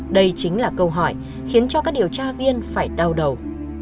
đây chính là câu hỏi khiến cho các điều tra viên phải đau đầu